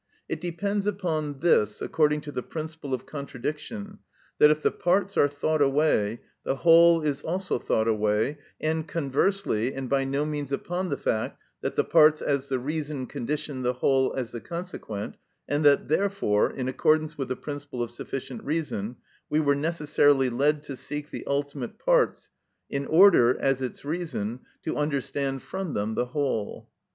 It depends upon this, according to the principle of contradiction, that if the parts are thought away, the whole is also thought away, and conversely; and by no means upon the fact that the parts as the reason conditioned the whole as the consequent, and that therefore, in accordance with the principle of sufficient reason, we were necessarily led to seek the ultimate parts, in order, as its reason, to understand from them the whole.